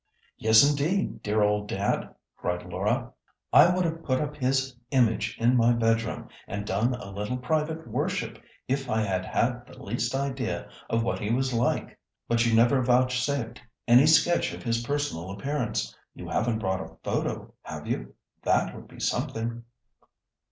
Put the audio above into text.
"Yes, indeed, dear old dad," cried Laura; "I would have put up his image in my bedroom, and done a little private worship if I had had the least idea of what he was like. But you never vouchsafed any sketch of his personal appearance. You haven't brought a photo, have you? That would be something."